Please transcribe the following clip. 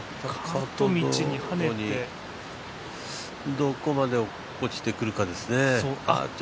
どこまで落っこちてくるかですね。